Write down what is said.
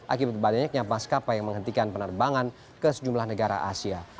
akibat banyaknya maskapai yang menghentikan penerbangan ke sejumlah negara asia